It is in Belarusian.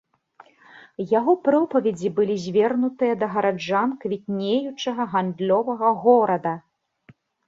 Яго пропаведзі былі звернутыя да гараджан квітнеючага гандлёвага горада.